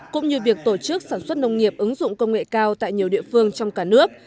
cũng như việc tổ chức sản xuất nông nghiệp ứng dụng công nghệ cao tại nhiều địa phương trong cả nước